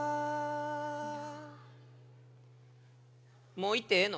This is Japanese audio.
もういってええの？